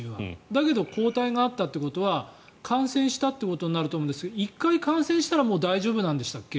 だけど抗体があったということは感染したということになると思うんですが１回感染したらもう大丈夫なんでしたっけ？